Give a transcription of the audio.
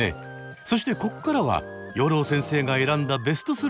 そしてここからは養老先生が選んだベスト３を発表。